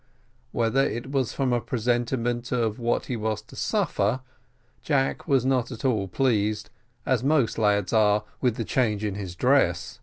Whether it was from a presentiment of what he was to suffer, Jack was not at all pleased, as most lads are, with the change in his dress.